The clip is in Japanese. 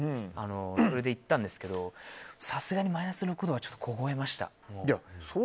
それで行ったんですけどさすがにマイナス６度はちょっと凍えました。